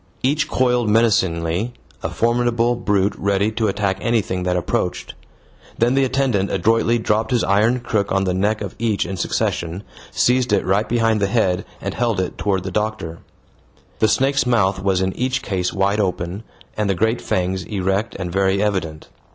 Each coiled menacingly, a formidable brute ready to attack anything that approached. Then the attendant adroitly dropped his iron crook on the neck of each in succession, seized it right behind the head, and held it toward the doctor. The snake's mouth was in each case wide open, and the great fangs erect and very evident.